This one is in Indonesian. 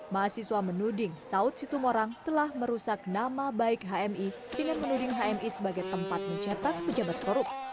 mahasiswa menuding saud situmorang telah merusak nama baik hmi dengan menuding hmi sebagai tempat mencetak pejabat korup